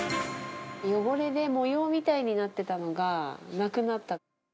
汚れで模様みたいになってたのが、なくなった。